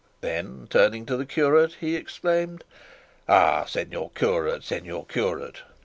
Then turning to the curate he exclaimed, "Ah, señor curate, señor curate!